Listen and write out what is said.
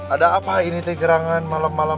ada apa ini tigerangan malam malam